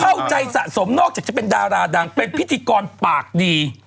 เข้าใจสะสมนอกจากจะเป็นดาราดังเป็นพิธีกรปากดี